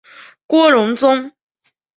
郭荣宗。